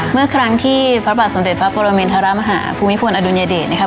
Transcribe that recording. เมื่อครั้งที่พระบาทสมเด็จพระปรมินทรมาฮาภูมิพลอดุลยเดชนะคะ